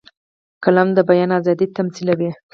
قلم د بیان آزادي تمثیلوي